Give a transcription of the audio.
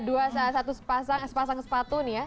dua salah satu sepasang sepatu nih ya